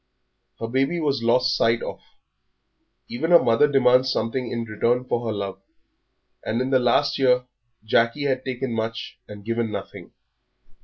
Her baby was lost sight of. Even a mother demands something in return for her love, and in the last year Jackie had taken much and given nothing.